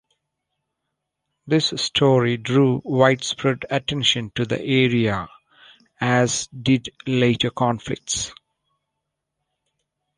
This story drew widespread attention to the area, as did later conflicts.